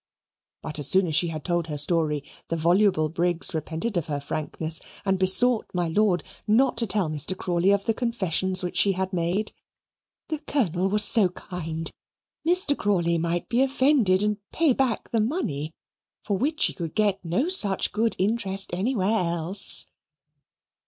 But as soon as she had told her story, the voluble Briggs repented of her frankness and besought my lord not to tell Mr. Crawley of the confessions which she had made. "The Colonel was so kind Mr. Crawley might be offended and pay back the money, for which she could get no such good interest anywhere else."